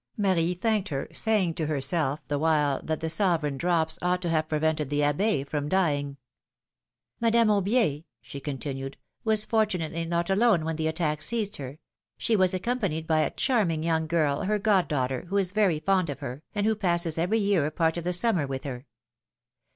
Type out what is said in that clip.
'^ Marie thanked her, saying to herself the while that the sovereign drops ought to have prevented the Abb6 from dying. Madame Aubier,^' she continued, ^Svas fortunately not alone when the attack seized her ; she was accompanied by a charming young girl, her goddaughter, who is very fond of her, and who passes every year a part of the summer with her.